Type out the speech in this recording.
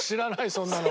そんなの。